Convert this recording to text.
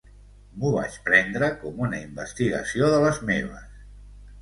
M'ho vaig prendre com una investigació de les meves.